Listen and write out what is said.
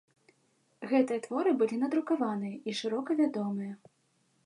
Гэтыя творы былі надрукаваныя і шырока вядомыя.